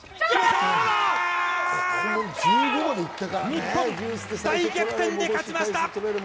日本、大逆転で勝ちました。